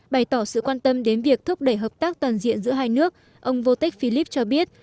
bày tỏ sự quan tâm đến việc thúc đẩy hợp tác toàn diện giữa hai nước ông vôich philipp cho biết